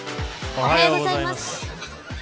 おはようございます。